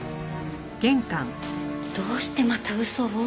どうしてまた嘘を？